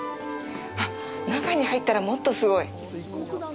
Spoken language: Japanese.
あっ、中に入ったら、もっとすごい！